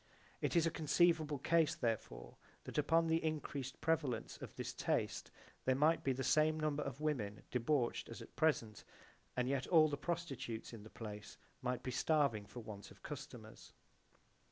It is a conceivable case therefore that upon the increased prevalence of this taste there might be the same numbers of women debauched as at present, and yet all the prostitutes in the place might be starving for want of customers.